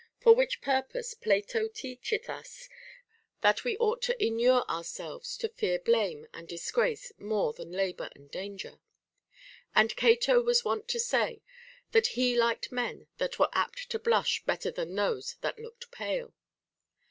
For which purpose Plato teacheth us that we ought to inure ourselves to fear blame and disgrace more than labor and danger. And Cato was wont to say that he liked men that were apt to blush better than those that looked pale.